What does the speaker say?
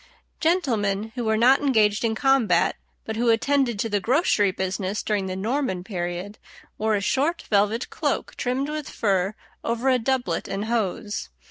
Gentlemen who were not engaged in combat, but who attended to the grocery business during the Norman period, wore a short velvet cloak trimmed with fur over a doublet and hose.